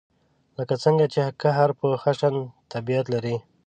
لکه څنګه چې قهر پر خشن طبعیت لري.